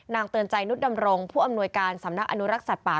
เตือนใจนุษย์ดำรงผู้อำนวยการสำนักอนุรักษ์สัตว์ป่า